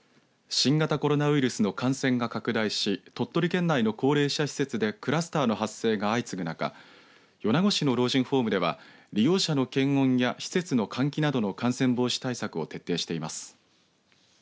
新型コロナウイルスの感染が拡大し鳥取県内の高齢者施設でクラスターの発生が相次ぐ中米子市の老人ホームでは利用者の検温や施設の換気などの感染防止対策を徹底しています。